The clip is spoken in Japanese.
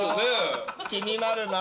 気になるなそれ。